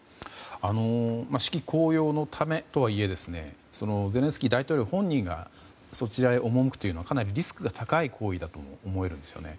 士気高揚のためとはいえゼレンスキー大統領本人がそちらへ赴くというのはかなりリスクが高い行為だとも思えるんですよね。